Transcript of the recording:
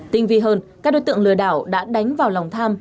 tinh vi hơn các đối tượng lừa đảo đã đánh vào lòng tham